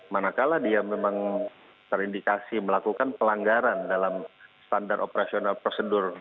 manakala dia memang terindikasi melakukan pelanggaran dalam standar operasional prosedur